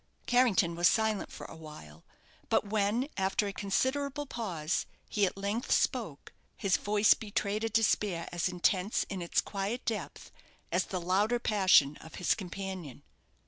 Carrington was silent for awhile; but when, after a considerable pause, he at length spoke, his voice betrayed a despair as intense in its quiet depth as the louder passion of his companion.